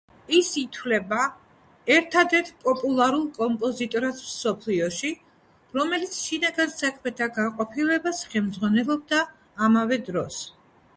ის ითვლება ერთადერთ პოპულარულ კომპოზიტორად მსოფლიოში, რომელიც შინაგან საქმეთა განყოფილებას ხელმძღვანელობდა ამავე დროს.